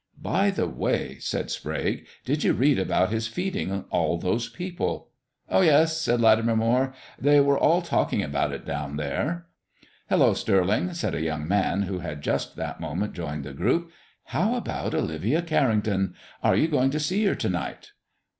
"By the way," said Sprague, "did you read about His feeding all those people?" "Oh yes," said Latimer Moire; "they were all talking about it down there." "Hullo, Stirling," said a young man who had just that moment joined the group. "How about Olivia Carrington? Are you going to see her to night?"